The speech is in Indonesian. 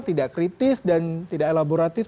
tidak kritis dan tidak elaboratif